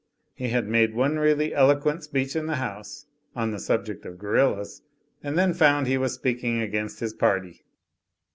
He had made one really eloquent speech in the House (on the subject of gorillas), and then found he was speaking against his party.